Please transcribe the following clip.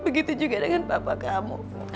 begitu juga dengan bapak kamu